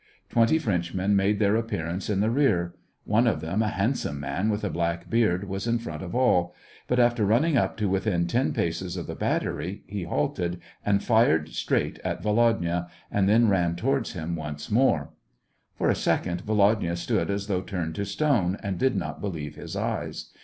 Twenty Frenchmen made their appearance in the rear. One of them, a handsome man with a black beard, was in front of all ; but, after running up to within ten paces of the battery, he halted, and fired straight at Volodya, and then ran towards him once more. For a second, Volodya stood as though turned to stone, and did not believe his eyes.